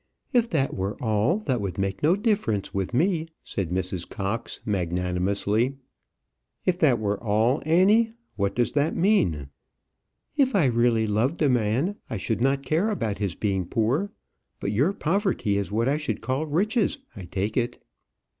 "If that were all, that would make no difference with me," said Mrs. Cox, magnanimously. "If that were all, Annie! What does that mean?" "If I really loved a man, I should not care about his being poor. But your poverty is what I should call riches, I take it."